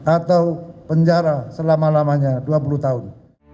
atau penjara selama lamanya dua puluh tahun